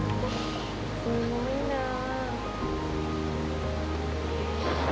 すごいなあ。